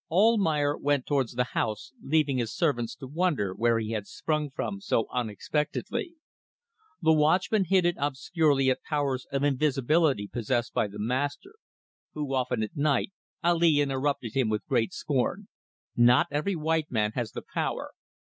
Almayer went towards the house, leaving his servants to wonder where he had sprung from so unexpectedly. The watchman hinted obscurely at powers of invisibility possessed by the master, who often at night ... Ali interrupted him with great scorn. Not every white man has the power.